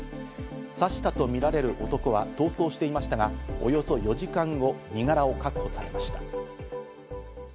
刺したとみられる男は逃走していましたが、およそ４時間後、身柄を確保されました。